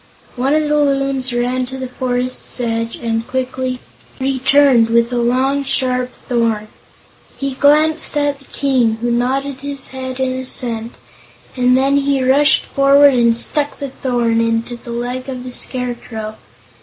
One of the Loons ran to the forest's edge and quickly returned with a long, sharp thorn. He glanced at the King, who nodded his head in assent, and then he rushed forward and stuck the thorn into the leg of the Scarecrow.